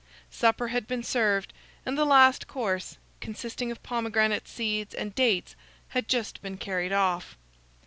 Supper had been served, and the last course, consisting of pomegranate seeds and dates, had just been carried off.